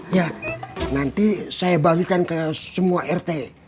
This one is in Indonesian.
ya nanti saya bagikan ke semua rt